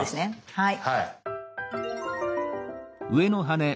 はい。